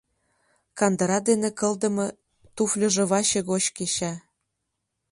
Кандыра дене кылдыме туфльыжо ваче гоч кеча.